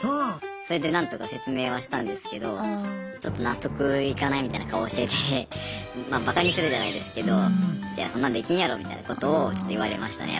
それで何とか説明はしたんですけどちょっと納得いかないみたいな顔しててまあバカにするじゃないですけどみたいなことをちょっと言われましたね